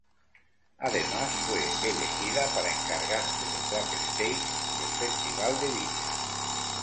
Además, fue elegida para encargarse del backstage del "Festival de Viña".